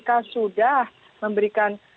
ppatk sudah memberikan